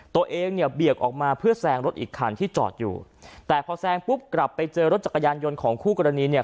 ตัวเองเนี่ยเบี่ยงออกมาเพื่อแซงรถอีกคันที่จอดอยู่แต่พอแซงปุ๊บกลับไปเจอรถจักรยานยนต์ของคู่กรณีเนี่ย